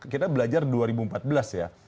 kita belajar dua ribu empat belas ya